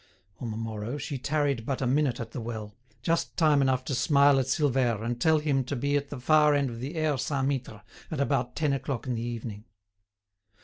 On the morrow, she tarried but a minute at the well, just time enough to smile at Silvère and tell him to be at the far end of the Aire Saint Mittre at about ten o'clock in the evening.